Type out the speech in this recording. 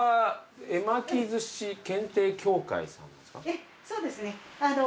ええそうですね。